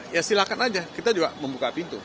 ya silahkan aja kita juga membuka pintu